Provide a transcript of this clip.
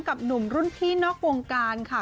กับหนุ่มรุ่นพี่นอกวงการค่ะ